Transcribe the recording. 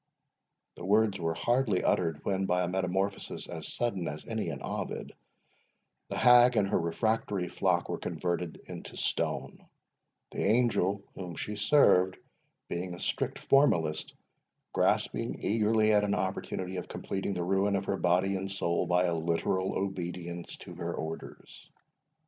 The words were hardly uttered, when, by a metamorphosis as sudden as any in Ovid, the hag and her refractory flock were converted into stone, the angel whom she served, being a strict formalist, grasping eagerly at an opportunity of completing the ruin of her body and soul by a literal obedience to her orders.